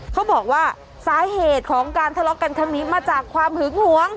เขาบอกว่าสาเหตุของการทะเลาะกันครั้งนี้มาจากความหึงหวง